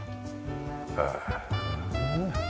へえ。